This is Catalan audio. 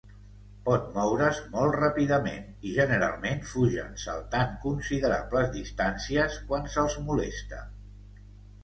Pot moure's molt ràpidament i generalment fugen saltant considerables distàncies quan se'ls molesta.